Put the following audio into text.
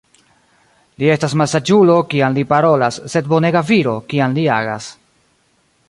Li estas malsaĝulo, kiam li parolas, sed bonega viro, kiam li agas.